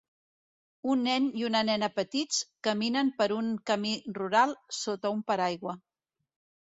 Un nen i una nena petits caminen per un camí rural sota un paraigua.